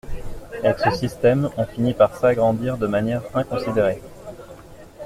Avec ce système, on finit par s’agrandir de manière inconsidérée.